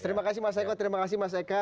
terima kasih mas eko terima kasih mas eka